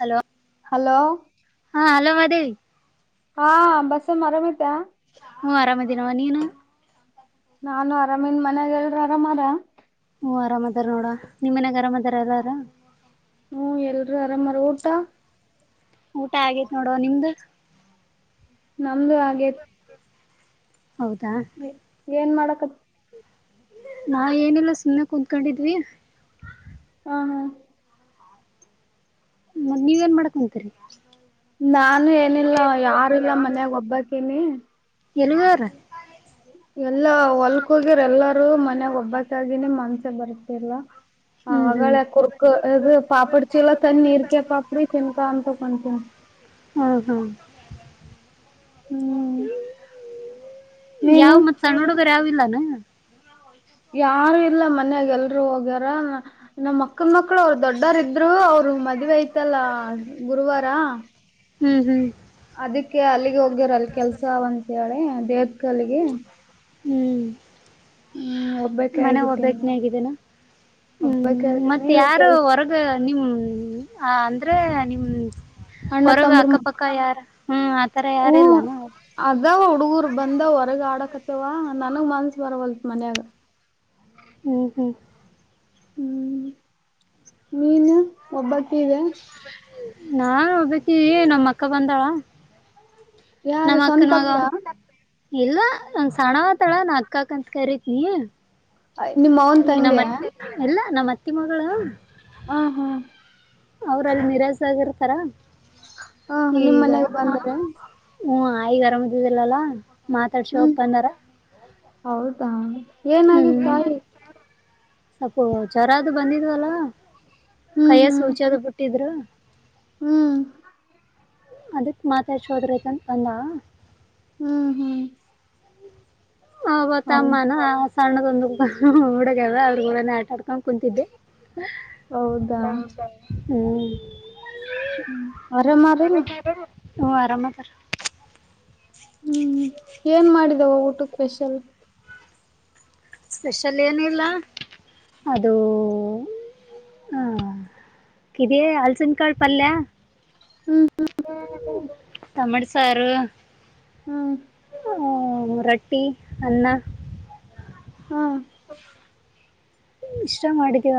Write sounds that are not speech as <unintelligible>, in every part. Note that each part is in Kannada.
ಹಲೋ ಹಲೋ ಹಾ ಹಲೋ ಮಾಧೇವಿ ಹಾ ಬಸಮ್ಮ ಆರಾಮಿದೀಯಾ ಹ ಆರಾಮ ದಿನವ ನೀನು ನಾನು ಅರಾಮನ್ ಮನ್ಯಾಗ ಎಲ್ರ ಆರಾಮಾರ ಹ್ಮ ಅರಾಮ್ ಅದಾರ ನೋಡ ನಿಮ್ ಮನಯಾಗ ಆರಾಮ್ದಾರ ಎಲ್ಲಾರ ಹ್ಮ ಎಲ್ರುೂ ಆರಾಮಾರ ಊಟ ಊಟ ಆಗೇತ್ ನೋಡುವ ನಿಮ್ದ ನಮ್ದು ಹಾಗೇ ತಿ ಹೌದಾ ಏನ್ ಮಾಡಕತ್ ನಾ ಏನೆಲ್ಲ ಸುಮ್ನೆ ಕುತ್ಕೊಂಡಿದ್ವಿ ಹಾ ಹಾ ಮ ನೀವ್ ಏನ್ ಮಾಡಕ್ಂತೀರಿ ನಾನು ಏನಿಲ್ಲ ಯಾರಿಲ್ಲ ಮನ್ಯಾಗ ಒಬ್ಬಕನಿ ಎನುವರು ಎಲ್ಲ ಒಲ್ಕೋಗರ ಎಲ್ಲರೂ ಮನ್ಯಾಗ ಒಬ್ಬಕ್ಕೆ ಇದಿನಿ ಮನ್ಸೆ ಬರ್ತಿಲ್ಲ ಹ್ಮ್ ಹ್ಮ್ ಆಳೆ ಕುರ್ಕ ಇದು ಪಾಪಡಿ ಚೀಲ ತಂದಿ ನೀರ್ಕೆ ಪಾಪಡಿ ಚಿನ್ಕಾ ಅಂತ ತಕೊತನ್ ಹ್ಮ ಹಾ ಹ್ಮ್ ಯಾವ ನೀನು ಮತ್ಸಣ್ಣ ನೋಡುಗರೆ ಯಾವಿಲ್ಲ <unintelligible> ಯಾರು ಇಲ್ಲ ಮನ್ಯಾಗ ಎಲ್ರುೂ ಹೋಗ್ಯಾರ ನಮ್ಮ ಮಕ್ಕನ್ ಮಕ್ಕಳು ಅವ್ರರು ದೊಡ್ಡೋರ ಇದ್ರು ಅವ್ರು ಮದ್ವೆ ಐತಲ್ಲ ಗುರುವಾರ ಹ್ಮ್ ಹ್ಮ್ ಅದಕ್ಕೆ ಅಲ್ಲಿಗೆ ಹೋಗ್ಯರಲ್ ಕೆಲ್ಸ ಒಂತತ್ ಹೇಳಿ ದೇವಕಲ್ಲಿಗೆ ಹ್ಮ್ ಒಬ್ಬಾಕಿ ಮನೆ ಆಗ್ಬಿಟ್ಟಿನಿ ಹೋಗ್ಬೇಕಕ್ ನೀ ಹಗಿದ್ದೇನಾ ಒಬ್ಬಾಕಿ ಹ್ಮ್ ಆಗೀನಿ ಮತ್ತೆ ಯಾರು ಕೆಲ್ಸ ಹೊರಗ ನಿಮ್ ಅ ಅಂದ್ರೆ ನಿಮ ಅಣ್ಣ ಹೊರಗ ತಮ್ಮರು ಅಕ್ಕಪಕ್ಕ ಹ್ಮ ಯಾರ ಹ್ಮ್ ಆತರ ಯಾರ ಇಲ್ಲಾನ ಅವರು ಅದಾವ ಹುಡ್ಗೂರ್ ಬಂದ ಹೊರಗ ಆಡಕತ್ತೇವ ನನಗ್ ಮನ್ಸ ಬರವಲ್ತ್ ಮನ್ಯಾಗ ಹ್ಮ್ ಹ್ಮ್ ಹ್ಮ್ ನೀನು ಒಬ್ಬಕ್ಕ ಇದೆ ನಾನ್ ಒಬ್ಬಾಕಿ ನಮ್ಮ ಅಕ್ಕ ಬಂದಾಳ ಯಾರು ನಮ್ ಅಕ್ಕನ್ ಮಗ ಸ್ವಂತಕ್ಕ ಇಲ್ಲ ಒಂದ ಸಣ್ಣ ತಳ ನ ಅಕ್ಕಕ್ಕ ಅಂತ ಕರಿತೀನಿ ನಿಮ್ ಅವ್ವನ್ ಈಗ ತಂಗ್ಯಾ ನಮ್ಮ್ತ್ತಿ ಎಲ್ಲ ನಮ್ಮ ಅತ್ತಿ ಮಗಳು ಆಾ ಹಾ ಅವ್ರಲ್ಲಿ ನಿರಾಸಾಗಿರ್ತಾರ ಹ ನಿಮ್ ಈಗ ಮನೆಗ್ ಬಂದಾರ? ಹ್ಮ್ ಆ ಈಗ ಆರಾಮದಿದಿಲ್ಲಲ್ಲಾ ಹ್ಮ್ ಹೌದಾ ಏನಾಗಿ ಬಾಯಿ ಸ್ವಪೋ ಜ್ವರದು ಬಂದಿದ್ವಲ್ಲ ಹ್ಮ್ ಕೈಯ ಹ್ಮ್ ಸುಚಿಯದು ಬಿಟ್ಟಿದ್ರು ಹ್ಮ್ ಅದಕ್ ಮಾತಾಡ್ಸೋದ್ರ ಐತಂತ ಅಂದ ಹ್ಮ್ ಹ್ಮ್ ಒಬ್ಬ ಹೌ ತಮ್ಮನೋ ಸಣ್ಣದೊಂದು ಹುಡುಗ ಊರಗೆಲ್ಲ ಅವ್ರಗೇನ್ ಆಟ ನಾ ಕುಂತಿದ್ದೆ ಹೌದಾ ಹ್ಮ. ಹ್ಮ ಅರಾಮ್ ಆಬೇರು, ಹ್ಮ ಆರಾಮ ಅಕ್ಕ ಹ್ಮ್ ಏನ್ ಮಾಡಿದೆ ಊಟಕ್ಕೆ ಸ್ಪೆಷಲ್. ಸ್ಪೆಷಲ್ ಏನಿಲ್ಲ ಅದೇ ಹ. ಕಿದೆ ಹಲಸಿನ ಕಾಯಿ ಪಲ್ಯ. ಟಮಡು ಸಾರು ಹ್ಮ್ ಹ್ಮ ರೊಟ್ಟಿ ಅನ್ನ ಹ್ಮ ಇಷ್ಟೊಂದು ಅಡಿಗೆ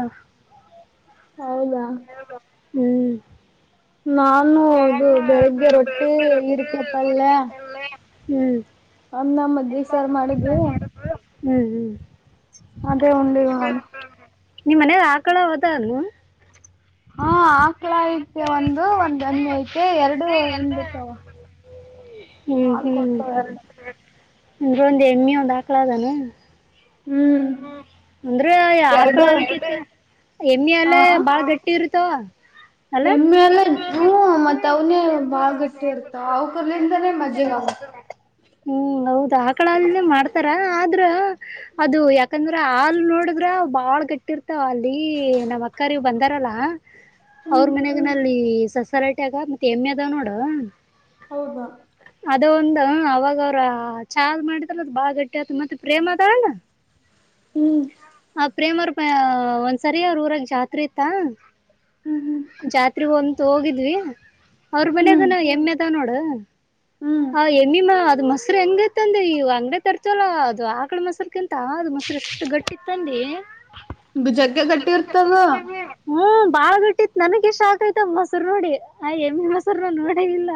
ಹೌದಾ ಹ್ಮ್ ನಾನು ಇದು ಬೆಳಿಗ್ಗೆ ರೊಟ್ಟಿ ಇಡಿಕೆ ಪಲ್ಯ. ಹ್ಮ್ ಅನ್ನ ಮಜ್ಜಿಗೆ ಸಾರ್ ಮಾಡಿದ್ವಿ. ಹ್ಮ್ ಹ್ಮ್ ಅದೇ ಉಂಡ್ವಿ ನೋಡು. ನಿಮ್ ಮನೆ ಆಕಳ ವದನು. ಹಾ ಆಕ್ಲ ಐತೆ ಒಂದು ಒಂದ್ ಎಮೆ ಐ ಮತ್ತೆ ಎರಡು ಗುಂಬೂತವ ಹಾಲು ಕೊಡ್ತಾವೆ ಎರಡು. ಇದೊಂದು ಎಮ್ ಯು ದಾಖಲಾಗನ. ಹ್ಮ್ ಅಂದ್ರೆ ಎರಡು ಆಕಳಹಾಲು ಕಿತ ಎಮ್ಮಿ ಹಾಲೆ ಹಾ ಬಾಳ ಗಟ್ಟಿ ಇರ್ತಾವ. ಅಲ್ಲ ಎಮ್ಮಿ ಹಾಲು ಹಾ ಮತ್ತ್ ಅವ್ನೇ ಬಾಳ್ ಗಟ್ಟಿ ಇರ್ತ ಅವಕಲಿಂದನೇ ಮಜ್ಜೆಗೆ ಮಾಡು. ಹ್ಮ್ ಆಕಳ ಹಾಲಿಂದ ಮಾಡ್ತಾರೆ ಆದ್ರ ಅದು ಯಾಕಂದ್ರೆ, ಹಾಲ್ ನೋಡಿದ್ರ ಬಾಳ್ ಗಟ್ಟಿ ಇರ್ತಾವ ಅಲ್ಲಿ ನಮ್ಮ್ ಅಕ್ಕರಿ ಬಂದಾರಲ್ಲ. ಅವ್ರ ಮನೆಗೂನಲ್ಲಿ ಸೋಸ್ಯ ರಟಿ ಗ ಮತ್ತೆ ಎಮ್ಮೆ ಅದಾವ್ ನೋಡು. ಹೌದಾ ಅದೇ ಉಂಡ ಅವಗ್ ಅವರ ಚಾದ್ ಮಾಡಿದ್ರ ಅದು ಬಾಳ ಗಟ್ಟಿ ಆತು ಮತ್ತೆ ಪ್ರೇಮ ಅದಳಲ್ಲ. ಹ್ಮ್ ಪ್ರೇಮ್ ಒಂದ್ಸರಿ ಅವ್ರ ಊರಾಗ ಜಾತ್ರೆ ಇತ್ತ. ಹ್ಮ್ ಜಾತ್ರೆ ಹೊಂತ ಹೋಗಿದ್ವಿ ಅವ್ರ ಹ್ಮ್ ಮನೆಗೂನು ಎಮ್ಮೆ ಇದಾವ್ ನೋಡು. ಹ್ಮ್ ಹಾ ಎಮ್ಮಿಮ್ಮ ಮೊಸರು ಹೆಂಗತಂದೆಯೂ ಅಂಗಡಿ ತರ್ತವಲ್ಲ ಅದು ಆಕಳ ಮೊಸರುಕ್ಕಿಂತವ. ಹೌದು ಮೊಸರು ಎಷ್ಟು ಗಟ್ಟಿತಂದೆ ಹ್ಮ್ ಜಗ್ಗೆ ಗಟ್ಟಿ ಇರ್ತದ ಹ್ಮ ಬಾಳ್ ಗಟ್ಟಿತ್ ನನಗೆ ಶಾಕ್ ಆಯ್ತ ಮೊಸರು ನೋಡಿ ಆ ಎಮ್ಮಿ ಮೊಸರು ನೋಡೆ ಇಲ್ಲ.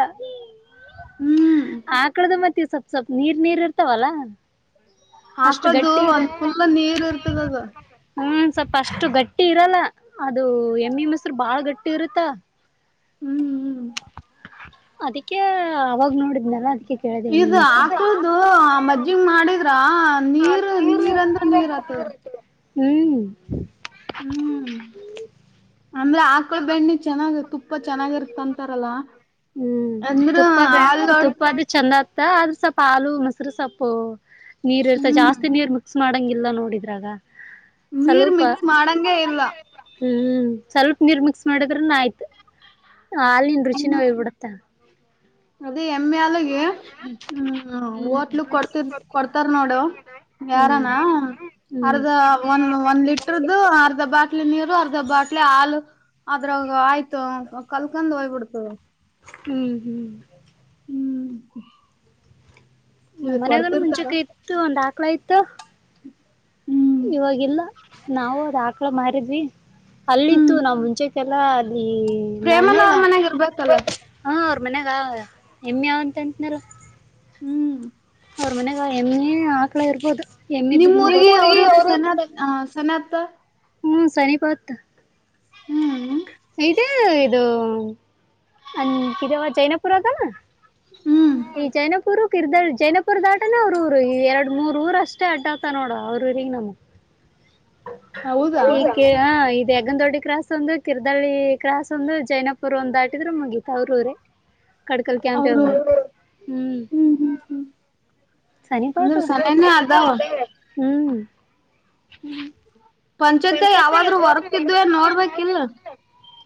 ಹ್ಮ್ ಅಕಳದಿಂದ ಟೀ ಸ್ವಪ್ ಸ್ವಲ್ಪ್ ನೀರ್ ನೀರ್ ಇರ್ತಾವಲ್ಲ. ಅಷ್ಟು ಆಕಳದು ಗಟ್ಟಿ ಇರೆ ಒಂದ್ ಫುಲ್ ನೀರ್ ಇರ್ತದ ಅದು ಹ್ಮ ಸ್ವಪ ಅಷ್ಟು ಗಟ್ಟಿ ಇರಲ್ಲ ಅದು ಎಮ್ಮೆ ಮೊಸರು ಬಾಳ ಗಟ್ಟಿ ಇರುತ್ತ. ಹ್ಮ್ ಹ್ಮ್ ಅದಕ್ಕೆ ಅವಾಗ ನೋಡಿದ್ನಲ್ಲ ಅದ ಇದು ಆಕಳುದೂ ಮಜ್ಜಿಗ್ ಮಾಡಿದ್ರ. ನೀರ್ ನೀರಂದ್ರ ನೀರ್ ಆತದ. ಹ್ಮ್ ಆಕಳದು ಬೆಣ್ಣೆ ಚೆನ್ನಾಗಿ ತುಪ್ಪ ಚೆನ್ನಾಗಿರುತ್ ಅಂತಾರಲ್ಲ. ಹ್ಮ್ ಅಂದ್ರೆ ಹಾಲು ನವರು. ನತ್ತ ಸ್ವಲ್ಪ ಹಾಲು ಮೊಸರು ಸ್ವಲ್ಪ ನೀರ್ ಇರ್ತ ಹ್ಮ್ ಜಾಸ್ತಿ ನೀರ್ ಮಿಕ್ಸ್. ಮಾಡಂಗಿಲ್ಲ ನೋಡಿದ್ರಾಗ ಸ್ವಲ್ಪ, ನೀರು ಮಿಕ್ಸ್ ಮಾಡಂಗೆ ಇಲ್ಲ. ಹ್ಮ್ ಸ್ವಲ್ಪ ನೀರ್ ಮಿಕ್ಸ್ ಮಾಡಿದ್ರ ನು ಆಯ್ತು. ಅಲ್ಲಿನ ರುಚಿನ ಹೋಗ್ಬಬಿಡುತ್ತಾ. ಅದೇ. ಎಮ್ಮ್ಯಾಲಗೆ ಹ್ಮ ಹ್ಮ್ ಹೋಟ್ಲು ಕೊಡ್ತಿರ್ ಕೊಡ್ತಾರ ನೋಡು ಹ್ಮ್ ಯಾರಾನ. ಹ ಅರ್ಧ ಒಂದ ಒಂದ್ ಲಿಟ್ರದು ಅರ್ಧ ಬಾಟ್ಲಿ ನೀರು ಅರ್ಧ ಬಾಟ್ಲಿ ಹಾಲು. ಅದ್ರಾಗ ಆಯ್ತು ಕಲ್ಕೊಂಡ್ ಹೋಗ್ಬಿಡ್ತು. ಹ್ಮ್ ಹ್ಮ್. ಹ್ಮ್. ಇಲ್ ನಮ್ಮನ್ಯಾಗನ ಕೊಡ್ತಿರ್ತಾರ ಮುಂಚೆತ ಇತ್ತು ಒಂದ್ ಹಾಕ್ಲ ಇತ್ತು. ಹ್ಮ್ ಇವವಾಗಿಲ್ಲ ನಾವವು ಅದ್ ಹಾಕ್ಳ ಮಾರಿದ್ವಿ ಅಲ್ಲಿತ್ತು ಹ್ಮ್ ನಾವ್ ಮುಂಚೆಕ್ಕೆಲ್ಲ. ಈ ನನ್ನ ಪ್ರೇಮನ ಅವ್ರ ಮನ್ಯಾಗ ಇರ್ಬೇಕಲ್ಲ <inaudible> ಹ. ಮನ್ಯಾಗ ಹೆಮ್ಮೆ ಯಾವ ತಂಟ್ನಲ್ಲ. ಹ್ಮ್. ಅವ್ರ ಮನೆಗ ಹೆಮ್ಮೆ ಆಕ್ಳ ಇರ್ಬೋದು. ನಿಮ್ಮೂರಿಗೆ ಅವ್ರವ್ರ ಸನತ್ <unintelligible> ಸನತ್ ಹ್ಮ ಸನಿಪತ್ತ. <inaudible> ಹ್ಮ್ ಇದೇ ಇದು. ಅ ಜೈನಪುರ ಅದನ ಹ್ಮ್ ಈ ಜೈನಪುರ. ಇರ್ದ ಜೈನಪುರ್ ದಾಟಾನೇ ಅವ್ರ ಊರು ಈ ಎರಡ್ ಮೂರ್ ಊರ ಅಷ್ಟೇ ಅಡ್ಡ ಆತ ನೋಡ ಅವರ ಊರಿಗೂ ನಮಗೂ. ಹೌದಾ ಈಕೆ ಹಾ. ಬೇಗಂದೋಡ್ಡಿ ಕ್ರಾಸ್ ಒಂದು ಕಿರ್ದಳ್ಳಿ ಕ್ರಾಸ್ ಒಂದು ಜೈನಪುರ್ ಒಂದು. ದ್ರ ಮುಗೀತ ಅವ್ರವ್ರ ಕಡಕಲ್ ಕ್ಯಾಂಪ ಅವರು ಹ್ಮ್. ಹ್ಮ್ ಹ್ಮ್ ಸರಿಪತ ಅಂದ್ರೆ ಸನೇನೇ ಹ್ಮ್. ಹ್ಮ್ ಪಂಚಾಯತಿ ಯಾವಾದ್ರೂ ವರ್ಕ್ ಇದವಿ ನೋಡ್ಬೇಕಿಲಾ.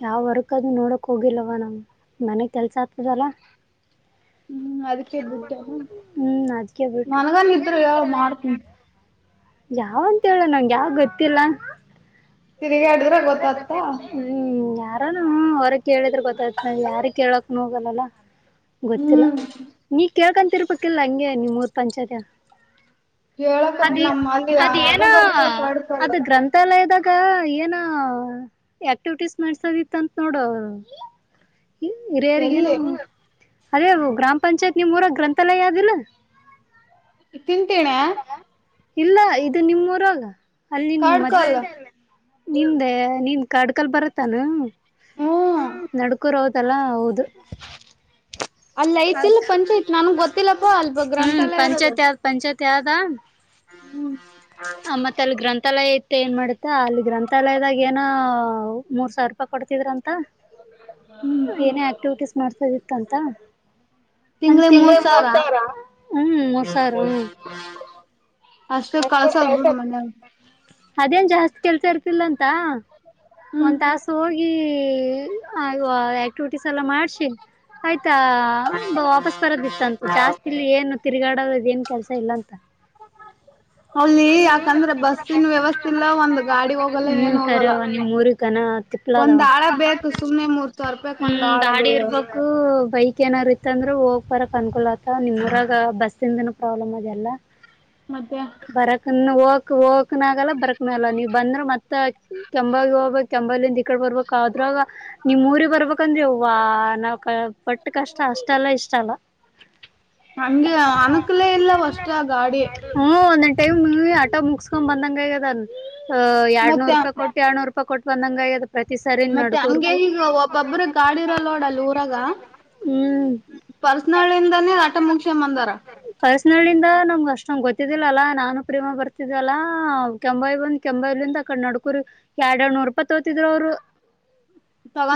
ಯಾವ ವರ್ಕ್ ನೋಡೋಕ್ಕೆ ಹೋಗಿಲ್ಲವ ನಮ್ಮ ಮನೆಗೆ ಕೆಲಸ ಆಗ್ತದಲ್ಲ. ಹ್ಮ್ ಅದಕ್ಕೆ ಬಿಟ್ಟೆನು. ಹ್ಮ್ ಅದಿಕ್ಕೆ ಬಿಟ್ಟೆ. ನನ್ಗನ್ ಇದ್ರು ಹೇಳ ಮಾಡ್ತೀನಿ. ಯಾವ ಅಂತ ಹೇಳುವ ನನಗೆ ಯಾವ ಗೊತ್ತಿಲ್ಲ. ತಿರುಗಿ ಆಡುದ್ರೆ ಗೊತ್ತತ್ತ. ಹ್ಮ್ ಯಾರಾನ ಹೊರಗ್ ಕೇಳಿದ್ರೆ ಗೊತ್ತಾಯ್ತ ಯಾರಗ್ ಕೇಳಕ್ ನ ಹೋಗಲ್ಲಲ್ಲ. ಗೊತ್ತಿಲ್ಲ ಹ್ಮ್ ನೀ ಕೇಳ್ಕಂತಿರ್ಬೇಕಿಲ್ಲ ಹಂಗೆ ನಿಮ್ ಊರ ಪಂಚಾಯತಿಯ. ಹೇಳಕತ್ ಅದ ನಮ್ ಅಲ್ಲಿ ಅದ ಅದು ಏನೋ ಬರ್ತದ ಕಡ್ಕಲ್ಲ. ಅದು ಗ್ರಂಥ. ಲ್ಲ ಇದಾಗ ಏನ ಆಕ್ಟಿವಿಟೀಸ್ ಮಾಡಸೋದಿತ್ತ ಅಂತ ನೋಡು. ಹ ಹಿರಿಯಗೇನು. ಎಲ್ಲಿ ಅದೇವು ಗ್ರಾಮ ಪಂಚಾಯತ್ ನಿಮಮ್ಮ ಮೂರ ಗ್ರಂಥಾಲಯ ಯಾಧಲ್. ತಿಂತೀನ. ಇಲ್ಲ ಇದು ನಿಮ್ಮ್ವರಾಗ ಅಲ್ಲಿನ್ ಮ. ಅಲ್ಲ. ನಿಮ್ದೆ ನಿನ್ ಕಡ್ಕಲ್ ಬರತ್ತಾನ ಹ್ಮ್ ನಡ್ಕೂರ್. ತಲ ಹೌದು. ಅಲ್ಲಿ ಐತಿಲ್ಲ ಪಂಚ ಐತ್ ನನ್ಗ್ ಗೊತ್ತಿಲ್ಲಪ್ಪಾ ಅಲ್ ಹ್ಮ್ ಗ್ರಂಥಾಲಯ ಇರೋದ. ಪಂಚಾಯತ್ <unintelligible> ಹ್ಮ್. ಆ ಮತ್ತೆ ಅಲ್ಲಿ ಗ್ರಂಥ. ಗ್ರಂಥಾಲಯ ಇತ್ತ ಏನ್ ಮಾಡತ್ತಾ ಅಲ್ಲಿ ಗ್ರಂಥಾಲಯದಾಗ ಏನೋ ಮೂರ್ ಸಾವಿರ ರೂಪಾಯಿ ಕೊಡ್ತಿದ್ರ ಅಂತ. ಏನೇ ಆಕ್ಟಿವಿಟೀಸ್ ಮಾಡ್ತ ಇತ್ತ ಅಂತ. ತಿಂಗ್ಳಿಗ್ ಮೂರ್ ತಿಂಗಳಿಗೆ ಮೂರ ಸಾವಿರ ಹ್ಮ್ ಮೂರ್ ಸಾವಿರ ಹ್ಮ. ಅಷ್ಟು ಕಳ್ಸಲ್ಬೂಡು ಮನ್ಯಾಗ. ಅದೇನ್ ಜಾಸ್ತಿ ಕೆಲ್ಸ ಇರ್ತಿಲ್ಲ ಅಂತ ಹ್ಮ್ ಒಂದ್ ತಾಸ ಹೋಗಿ. <inaudible> ಆಕ್ಟಿವಿಟೀಸ್ ಎಲ್ಲ ಮಾಡ್ಸ ಆಯ್ತ. ವಾಪಸ್ ಬರೋದಿತ್ತಂತು ಜಾಸ್ತಿ ಇಲ್ಲಿ ಏನು ತಿರುಗಾ. ಮಾಡದ ಏನ್ ಕೆಲ್ಸ ಇಲ್ಲ ಅಂತ. ಅಲ್ಲಿ <unintelligible> ಯಾಕಂದ್ರೆ ಬಸ್ಸಿನ ವ್ಯವಸ್ಥೆ ಇಲ್ಲ ಒಂದ್ ಗಾಡಿ ಹೋಗಲ್ಲ ಹ್ಮ ಏನ್ ಹೋಗಲ್ಲ. ಕರವ ನ ತಿಕ್ಲದವ ಒಂದ್ ಆಳ ಬೇಕು ಸುಮ್ನೆ ಮೂರ್ ಸಾವಿರ ರೂಪಾಯಕ್ ಹ್ಮ ಒಂದ್ ಆಳ ಗಾಡಿ ಬೇಕ ಇರ್ಬೇಕು ಬೈಕ್ ಏನ್ ಇರ್ ಅತ್ತಂದ್ರ ಹೋಗ್ ಬರಕ್ ಅನುಕೂಲ ಆತ ನಿಮೂರಾಗ ಬಸ್ಸಿಂದನೂ ಪ್ರಾಬ್ಲಮ್ ಅದೆಲ್ಲ ಮತ್ತೆ ಬರಕನ್ನು ಹೋಗ್ ಹೋಕಕ್ನ ಆಗಲ್ಲ ಬರಕಕ್ನಲ್ಲ ನೀವ್ ಬಂದ್ರೆ ಮತ್ತ ಕೆಂಬಾವಿ ಹೋಗ್ಬೇಕ್ ಕೆಂಬಾವಿ ಇಂದ ಈಕಡೆ ಬರ್ಬೇಕ್ ಆದ್ರಾಗ ನಿಮ್ಮ್ ಊರಿಗೆ ಬರ್ಬೇಕಂದ್ರಿ ಯವ್ವ ನಾವ್ ಪಟ್ಟ ಕಷ್ಟ ಅಷ್ಟ ಅಲ್ಲ ಇಷ್ಟ ಅಲ್ಲ ಹಂಗೆ ಅನಕ್ಲೇ ಇಲ್ಲ ಹೊಸದಾ ಗಾಡಿ ಹ ಒಂದ್ ಟೈಮ್ ಆಟೋ ಮುಗಿಸ್ಕೊಂಡ್ ಬಂದಂಗ ಆಗದ ಅ ಎರಡ್ನೂರು ಮತ್ತೆ ರೂಪಾಯಿ ಕೊಟ್ಟ ಎರಡ್ನೂರು ರೂಪಾಯ್ ಪ್ ಕೊಟ್ಟ ಬಂದಂಗ ಅಗದ ಮತ್ತೆ ಹಂಗೆ ಈಗ ಒಬ್ಬೊಬ್ಬ್ರ ಗಾಡಿ ಇರಲ್ಲ ನೋಡ್ ಊರಾಗ ಹ್ಮ್ ಪರ್ಸನಲ್ಲಿ ಇದಾನೇ ಆಟ ಮುಗಸ್ದ್ ಬಂದಾರ ನಂಗ ಗೊತ್ತಿದ್ದಿಲ್ಲಲ್ಲಾ ನಾನು ಪ್ರೇಮ ಬರ್ತಿದ್ದಲ್ಲಾ ಕೆಂಬಾವಿ ಬಂದ್ ಕೆಂಬಾವಿಂದ ಆ ಕಡೆ ನಡ್ಕುರಿ ಎರಡು ಎರಡ್ ನೂರುಪಾಯಿ ತಗೋತ್ತಿದ್ರೂ ಅವರು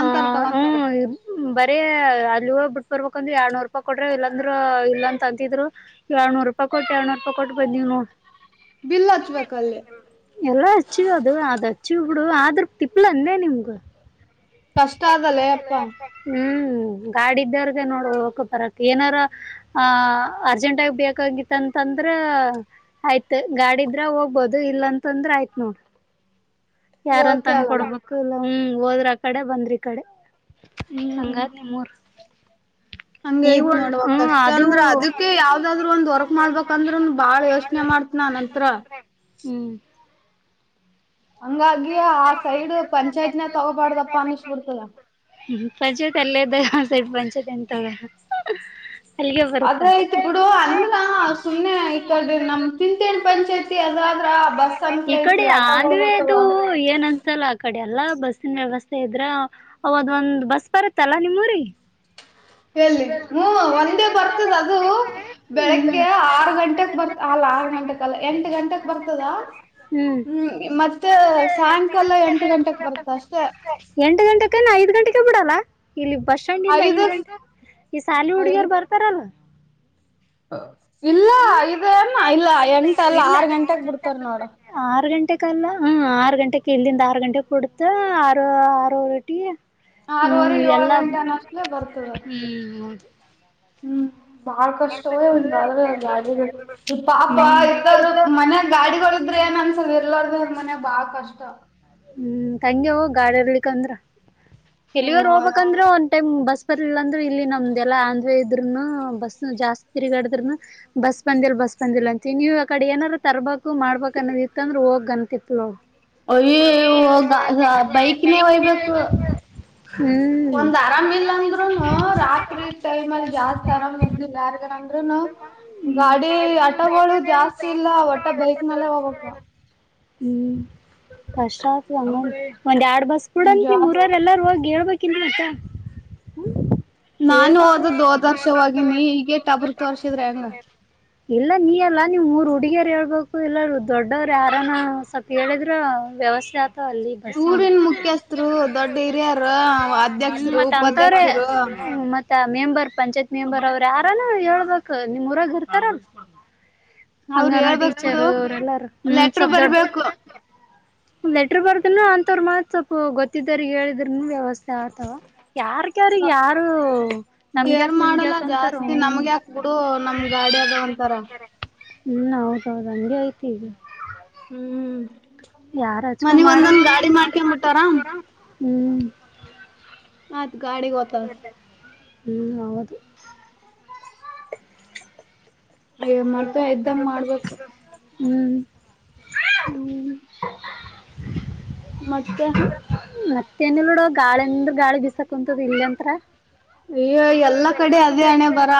ಹ ತಗೊಂತಾರ ಹ್ಮ ಅಲ್ಲಿ ಹೋಗ್ ಬಿಟ್ಬ ಬರ್ಬೇಕಂದ್ರೆ ಎರಡ್ನೂರು ರೂಪಾಯಿ ಕೊಡ್ರೆ ಇಲ್ಲ ಅಂದ್ರೆ ಇಲ್ಲ ಅಂತಿದ್ರು ಎರಡನೂರು ರೂಪಾಯ್ ಕೊಟ್ಟ್ ಎರಡುನೂರ್ ಕೊಟ್ಟ್ ಬಂದೀವ್ ನೋಡ್ ಬಿಲ್ ಹಚ್ಬೇಕ ಅಲ್ಲಿ ಎಲ್ಲ ಹಚ್ಚು ಅದು ಹಚ್ಚು ಬಿಡು ಆದ್ರೂ ತಿಪ್ಪಲ್ ಅಂದೆ ನಿಮ್ಗೂ ಕಷ್ಟ ಅದಲ್ಲ ಆತಲ್ಲೆ ಯಪ್ಪಾ ಅಕ್ಕ ಹ್ಮ ಗಾಡಿ ಇದಾರಗೆ ನೋಡ್ ಹೊಗ್ ಬರಕ್ ಏನಾರ ಆ ಅರ್ಜೆಂಟ್ ಆಗಿ ಬೇಕಾಗಿತ್ತ ಅಂತ ಅಂದ್ರೆ ಆಯ್ತ್ ಗಾಡಿದ್ರೆ ಹೋಗ್ಬೋದು ಇಲ್ಲ ಅಂತಂದ್ರೆ ಆಯ್ತ್ ನೋಡು ಯಾರನ್ನ ಹೋಗಕೆ ತಂದ್ ಆಗಲ್ಲ ಕೊಡ್ಬೇಕು ಹ್ಮ್ ಇಲ್ಲ ಹೋದ್ರೆ ಆ ಕಡೆ ಬಂದ್ರಿ ಈ ಕಡೆ ಹ್ಮ್ ಹೆಂಗಾದ್ ನಿಮ್ಮೂರ್ ಹಂಗೆ ಈ ಐತ್ ಒಂದ್ ನೋಡವ ಹ್ಮ್ ಕಷ್ಟ ಅದು ಅಂದ್ರೆ ಅದಕ್ಕೆ ಯಾವ್ದಾದ್ರು ಒಂದ್ ವರ್ಕ್ ಮಾಡ್ಬೇಕಂದ್ರೆ ಬಾಳ್ ಯೋಚನೆ ಮಾಡ್ ಮಾಡ್ತ ನಂತ್ರ ಹ್ಮ್ ಹಂಗಾಗಿ ಆ ಸೈಡ್ ಪಂಚಾಯಿತ್ ನ ತಗೋಬಾರದು ಅಪ್ಪ ಅನ್ನಿಸಿಬಿಡುತ್ತದ ಹ್ಮ ಪಂಚಾಯತ್ ಅಲ್ಲೇದಾಗ ಆ ಸೈಡ್ ಪಂಚಾಯತ್ ಅಂತಾಳ ಅದೆ ಆಯ್ತು ಬಿಡು ಅನ್ನ ಸುಮ್ನೆ ಆಯ್ತು ಕ ನಮ್ ತಿಂತೇಳ್ ಪಂಚಾಯಿತಿ ಅದಾದ್ರ ಬಸ್ ಈ ಅನ್ಕೂಲ ಐತಿ ಕಡೆ ಆಟೋಗಳು ಆಂದ್ವೇ ಬರ್ತವ. ಇದು ಏನ್ ಅನ್ಸಲ್ಲ ಆ ಕಡಿ ಎಲ್ಲಾ ಬಸ್ಸಿನ ವ್ಯವಸ್ಥೆ ಇದ್ರೆ ಅವಾಗ ಒಂದ್ ಬಸ್ ಬರುತ್ತಲ್ಲ ನಿಮ್ಮೂರಿಗ್ ಎಲ್ಲಿ ಹ್ಮ ಒಂದೇ ಬರ್ತದ ಅದು ಬೆಳಿಗ್ಗೆ ಹ್ಮ್ ಆರು ಗಂಟೆೆಗೆ ಬರ್ತ ಅಲ್ಲ ಆರ್ ಎಂಟು ಗಂಟಕ್ ಬರ್ತದ ಹ್ಮ್ ಹ್ಮ ಮತ್ ಅಷ್ಟೇ ಎಂಟು ಗಂಟೆಕಲ್ಲ ಐದ್ ಗಂಟೆಗೆ ಬಿಡಲ್ಲ ಇಲ್ಲಿ ಬಸ್ ಸ್ಟ್ಯಾಂಡ್ ಇಂದ ಐದ್ ಐದಕ್ ಗಂಟೆಗೆ ಈ ಸಾಲಿ ಹುಡ್ಗಿಯರು ಐದಕ್ ಬರ್ತಾರಲ್ಲ. ಇಲ್ಲ ಇದ್ದೇನ ಇಲ್ಲ ಎಂಟ ಎಲ್ಲಾ ಇಲ್ಲ ಆರು ಗಂಟೆಗ್ ಬಿಡ್ತಾರ್ ನೋಡು ಕಲ್ಲ ಆರು ಗಂಟೆ ಇಲ್ಲಿಂದ ಆರು ಗಂಟೆ ಬಿಡುತ್ತೆ ಆರು ಆರೂ ರೊಟಿ ಆರುವರೆ ಏಳ್ ಗಂಟೆನಷ್ಟಲೇ ಬರ್ತದ ಹೌದು ಹ್ಮ್ ಬಾಳ್ ಕಷ್ಟವೇ ಒಂದ್ ಬ ಗಾಡಿ ಈ ಪಾಪ ಇತ್ತ ಮನ್ಯ ಗಾಡಿಗಳು ಇದ್ರೆ ಏನ್ ಅನ್ಸಲ್ಲ ಇರ್ಲದ್ ಮನ್ಯಾಗ ಬಾಳ್ ಕಷ್ಟ ಹ್ಮ್ ತಂಗವ್ವ ಗಾಡಿ ಇರ್ಲಿಕಂದ್ರ ಅಯ್ಯೋ ಎಲ್ಲಿವರ್ ಹೋಗ್ಬೇಕಂದ್ರೆ ಒಂದ್ ಟೈಮ್ ಬಸ್ ಹಾಸ್ಪಿಟಲ್ ಅಂದ್ರರು ಇಲ್ಲಿ ನಮ್ದ್ ಎಲ್ಲಾ ಆಂದ್ ಇದ್ರೂ ಬಸ್ ಜಾಸ್ತಿ ತಿರ್ಗಾಡಿದ್ರೂನು ಬಸ್ ಬಂದಿಲ್ಲ ಬಸ್ ಬಂದಿಲ್ಲ ಅಂತ ನೀವು ಆ ಕಡೆ ಏನಾರ ತರಬೇಕು ಮಾಡ್ಬೇಕ್ ಅನ್ನೋ ಇತ್ತಂದ್ರೆ ಹೋಗ್ ಗಂತತಿಪ್ಲವ್ ಆಯ್ಯೊಯ್ಯೊ ಬೈಕ್ ನೇ ಒಯ್ಬೇಕು ಹ್ಮ್ ಒಂದ್ ಆರಾಮ್ ಇಲ್ಲಂದ್ರುನು ರಾತ್ರಿ ಟೈಮ್ ಅಲ್ಲಿ ಜಾಸ್ತಿ ಆರಾಮ್ ನಂದರುನು ಗಾಡಿ ಆಟೋಗಳು ಜಾಸ್ತಿ ಇಲ್ಲ ಒಟ್ಟೆ ಬೈಕ್ ನಲ್ಲೆ ಹೋಗಬೇಕು ಹ್ಮ್ ಕಷ್ಟ ಆಗುತ್ತೆ ಅಮ್ಮ್ ಒಂದ್ ಎರಡ್ ಬಸ್ ಬಿಡಂತ್ ಜಾಸ್ತಿ ನಿಮ್ಮೂರೊರೆಲ್ಲಾ ಎಲ್ಲಾರೂ ಹೋಗಿ ಹೇಳ್ಬೇಕ ಕನ್ನ ಮತ್ತ ಹ ನಾನು ಹೋದದ್ದದರ್ಷವವಾಗಿನಿ ಈಗೇಟ್ಟ ಅಬೃತ್ ವರ್ಷಿದ್ರೆ ಹೆಂಗ ಇಲ್ಲ ನೀ ಎಲ್ಲಾ ನೀವ್ ಮೂರ್ ಹುಡುಗಿಯರು ಹೇಳ್ಬೇಕು ಇಲ್ಲ ದೊಡ್ಡವರು ಯಾರಾನ ಸ್ವಲ್ಪ ಹೇಳಿದ್ರ ವ್ಯವಸ್ಥೆತ್ ಅಲ್ಲಿ ಬಸ್ ಊರಿನ್ ಮುಖ್ಯಸ್ಥರು ದೊಡ್ಡ ಹಿರಿಯರು ಹ ಅಧ್ಯಕ್ಷರು ಮತ್ತ ಅಂತವ್ರೇ ಉಪಾಧ್ಯಕ್ಷರು ಹ್ಮ ಮತ್ತೆ ಮತ್ತ ಮೆಂಬರ್ ಪಂಚಾಯತ್ ಮೆಂಬರ್ ಅವ್ರ ಯಾರಾನ ಹೇಳ್ಬೇಕಕ್ ನಿಮಮ್ಮ ಊರಾಗ ಇರ್ತಾರ ಅವ್ರು ಹಂಗಾನೋ ಹೇಳ್ಬೇಕ್ ಟೀಚರ್ ಬಿಡು ಅವ್ರ ಎಲ್ಲಾರ ಹ್ಮ ಲೆಟರ್ ಸ ದೊಡ್ಡ ಬರ್ಬೇಕು ಒ ಲೆಟ್ರ ಬರ್ದನ ಅಂತವರು ಮತ್ ಸ್ವಲ್ಪ ಗೊತ್ತಿದಾರ ಹೇಳಿದ್ರನು ವ್ಯವಸ್ಥೆ ಆಗ್ತವ ಯಾರ್ಕ್ಯಾರ ಯಾರು ನಮ್ದ್ಯಾಕ ಮುಂದ್ಯಾಕಂತಾರ ಕಡು ನಮ್ ಗಾಡಿ ಅದ ಒಂತರ ಹ್ಮ ಹೌದೌದುಂಗೆ ಐತಿ ಹ್ಮ್ ಯಾರ ಅಚ್ಕೊಂಡ ಮಾಡ್ಕೊಂಡ್ ಬಿಟ್ಟಾರ ಹ್ಮ್ ಗಾಡಿ ಗೋತ ಹ್ಮಞ ಹೌದು ಮರ್ತ ಇದ್ದಂಗ ಮಾಡ್ಬೇಕು ಹ್ಮ್ ಹ್ಮ್ ಮತ್ತೆ ಮತ್ತ ನ ನೋಡುವ ಗಾಳಿಂದ್ರ ಗಾಳಿ ಬಿಸಕ್ ಕುಂತ ದಿಲ್ಲ ಯಂತ್ರ ಎಲ್ಲಾ ಕಡೆ ಅದೇ ಹಣೆ ಬರ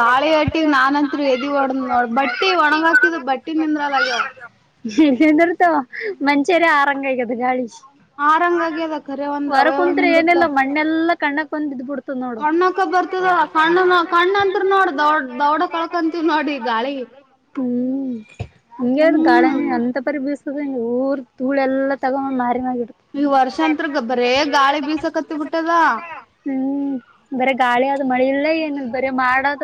ಗಾಳಿ ಹಟ್ಟಗ್ ನಾನಂತ್ ಎದಿ ಹೊಡ ನೋ ಬಟ್ಟಿ ಒಣಗ ಹಾಕಿದು ಬಟ್ಟಿ ನಿಂದ್ರ ಅಲ್ಲಗ್ಯವ ಇಲ್ಲಿಂದರ್ತ ಮಂಷೇಲ್ಲ ಆರಂಗ ಆಗದು ಗಾಳಿ ಆರಂಗ ಆಗ್ಯದ ಖರೆ ಒಂದ್ ಹೊರ ಅವಯವಾಗ ಕುಂತ್ರೆ ಏನೆಲ್ಲ ನಿಂದಿರ್ತಾವ ಮಣ್ಣೆಲ್ಲಾ ಕಣ್ಣಕ್ ಬಂದ ಇದ್ಬಿಡ್ ಕಣ್ಣಕ ಬರ್ತದ ನೋಡುಣ್ಣ ಕಣ್ಣನ ಕಣ್ಣ ಅಂತ್ರ ಸಣ್ಣಂತ ನೋಡ ನೋ ದೌಡ್ ದೌಡ ಕಳ್ಕಂತೀವ್ ನೋಡಿ ಗಾಳಿ <unintelligible> ಹ್ಮ್ ಹಗೆ ಅ ಗಾರ್ಡನ ಹ್ಮ್ ಅಂತ ಪರಿ ಬಿ ಊರ್ ಧೂಳ ಎಲ್ಲ ತಗೊಂಡ್ ಮಾರಿ ಮಾಡ ಈ ವರ್ಷಾಂತ್ರ ಬರೇ ಗಾಳಿ ಇಡ್ತ ಬೀಸಕತ್ತಿ ಬಿಟ್ಟದ. ಹ್ಮ್ ಬರ ಗಾಳಿ ಮಳೆಯ ಇಲ್ಲ ಏನ ಇಿಲ್ಲ ಬರ ಮಾಡದ